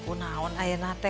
kunaon ayah natek